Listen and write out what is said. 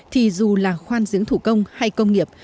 thì dù là khoan giếng thủ công hay công nghiệp